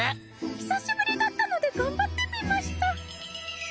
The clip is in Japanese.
久しぶりだったので頑張ってみました。